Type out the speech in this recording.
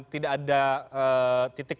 tidak ada titik